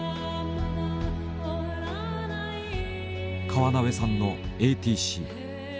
河辺さんのＡＴＣ。